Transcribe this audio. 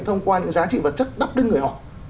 thông qua những giá trị vật chất đắp người họ